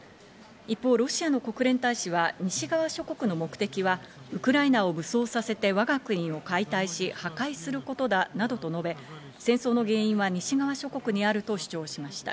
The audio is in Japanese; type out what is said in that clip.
一方、ロシアの国連大使は西側諸国の目的はウクライナを武装させて、我が国を解体し、破壊することだなどと述べ、戦争の原因は西側諸国にあると主張しました。